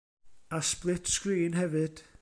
A sblit-sgrin hefyd.